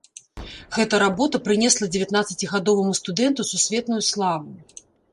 Гэта работа прынесла дзевятнаццацігадоваму студэнту сусветную славу.